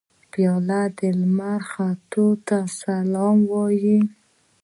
پیاله د لمر ختو ته سلام وايي.